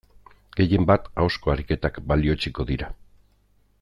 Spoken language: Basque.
Gehien bat ahozko ariketak balioetsiko dira.